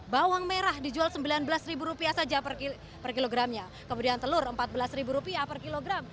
bawang merah dijual rp sembilan belas saja per kilogramnya kemudian telur rp empat belas per kilogram